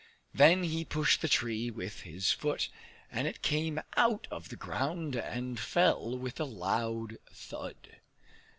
Then he pushed the tree with his foot, and it came out of the ground and fell with a loud thud.